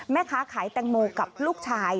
แม่ค้าขายแตงโมกับลูกชาย